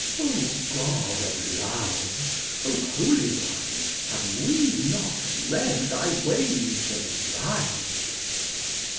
O God of Love! O Holy One! Have we not read Thy ways aright?